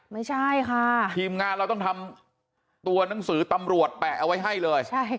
ไม่ใช่ค่ะทีมงานเราต้องทำตัวหนังสือตำรวจแปะเอาไว้ให้เลย